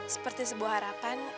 seperti sebuah harapan